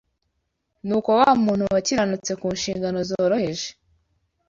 Nuko wa muntu wakiranutse ku nshingano zoroheje